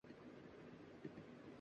یے گناہ ہے